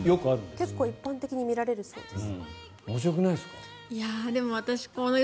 結構一般的に見られるそうですよ。